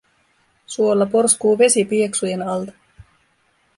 Suolla porskuu vesi pieksujen alta.